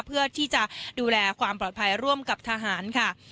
เพื่อที่จะดูแลความปลอดภัยร่วมกับทหารค่ะ